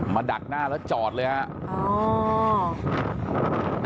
ดักหน้าแล้วจอดเลยครับ